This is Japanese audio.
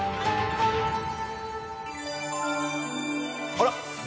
あら！